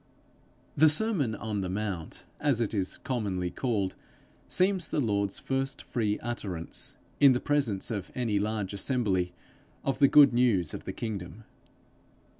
The sermon on the mount, as it is commonly called, seems the Lord's first free utterance, in the presence of any large assembly, of the good news of the kingdom.